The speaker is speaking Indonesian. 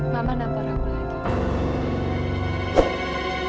mama nampak aku lagi